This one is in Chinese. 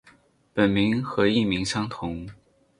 本名和艺名相同。